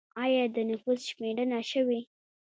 آیا د نفوس شمېرنه شوې؟